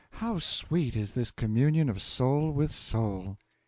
How sweet is this communion of soul with soul!